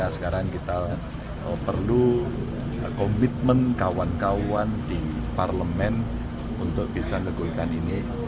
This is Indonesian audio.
sekarang kita perlu komitmen kawan kawan di parlemen untuk bisa ngeguikan ini